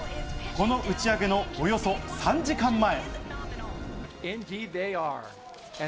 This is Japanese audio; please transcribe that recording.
この打ち上げのおよそ３時間前。